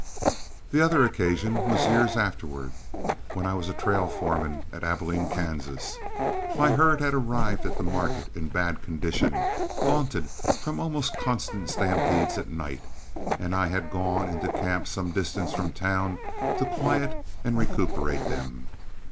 The other occasion was years afterward, when I was a trail foreman at Abilene, Kansas. My herd had arrived at that market in bad condition, gaunted from almost constant stampedes at night, and I had gone into camp some distance from town to quiet and recuperate them.